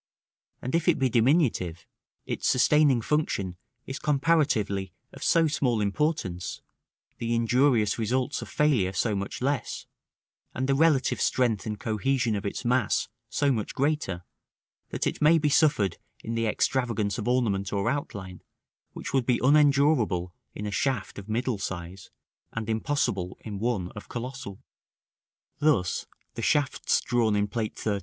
And if it be diminutive, its sustaining function is comparatively of so small importance, the injurious results of failure so much less, and the relative strength and cohesion of its mass so much greater, that it may be suffered in the extravagance of ornament or outline which would be unendurable in a shaft of middle size, and impossible in one of colossal. Thus, the shafts drawn in Plate XIII.